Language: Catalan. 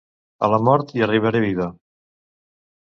A la mort hi arribaré viva.